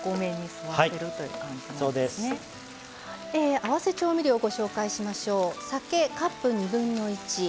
合わせ調味料をご紹介しましょう。